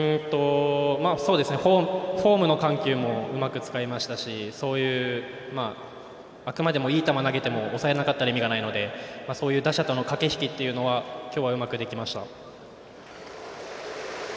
フォームの緩急もうまく使いましたしそういう、あくまでもいい球投げても抑えなかったら意味がないのでそういう打者のとの駆け引きというのは今日は、うまくできました。